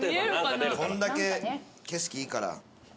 こんだけ景色いいから。